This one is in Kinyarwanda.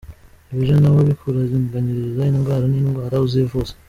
Ibyo ntawabikurenganyiriza, indwara ni indwara, uzivuze.